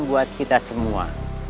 buat kita semua